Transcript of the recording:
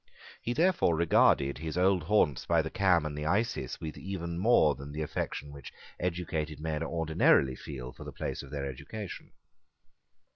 He therefore regarded his old haunts by the Cam and the Isis with even more than the affection which educated men ordinarily feel for the place of their education.